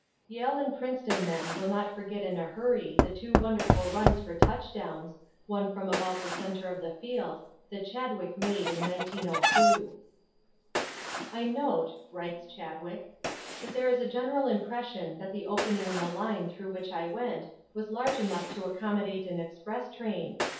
Yale and Princeton men will not forget in a hurry the two wonderful runs for touchdowns, one from about the center of the field, that Chadwick made in 1902. "I note," writes Chadwick, "that there is a general impression that the opening in the line through which I went was large enough to accommodate an express train.